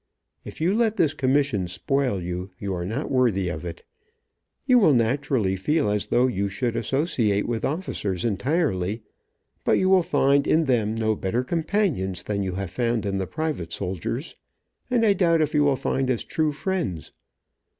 If you let this commission spoil you, you are not worthy of it. You will naturally feel as though you should associate with officers entirely, but you will find in them no better companions than you have found in the private soldiers, and I doubt if you will find as true friends.